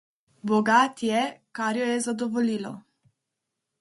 Bogat je, kar jo je zadovoljilo.